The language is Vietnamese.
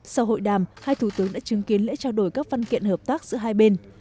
sau hội đàm hai thủ tướng đã chứng kiến lễ trao đổi các văn kiện hợp tác giữa hai bên